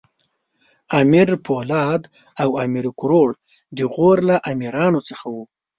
امیر پولاد او امیر کروړ د غور له امراوو څخه وو.